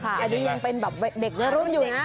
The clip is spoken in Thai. อันนี้ยังเป็นแบบเด็กในรุ่นอยู่นะ